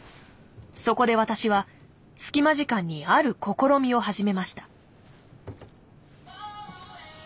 そこで私は隙間時間にある試みを始めました。